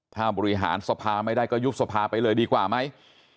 ถ้าบริหารสภาไม่ได้ก็ยุบสภาไปเลยดีกว่าไหม